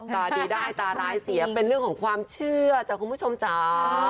ตาดีได้ตาร้ายเสียเป็นเรื่องของความเชื่อจ้ะคุณผู้ชมจ้า